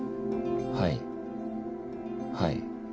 はいはい。